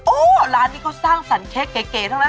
โอ้โหร้านนี้เขาสร้างสรรคเก๋ทั้งนั้น